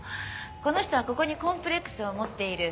この人はここにコンプレックスを持っている。